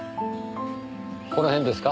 この辺ですか？